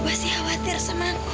ibu pasti khawatir sama aku